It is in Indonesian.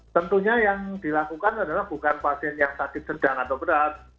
tentunya yang dilakukan adalah bukan pasien yang sakit sedang atau berat